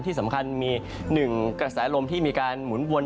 ที่สำคัญมีหนึ่งกระแสลมที่มีการหมุนวน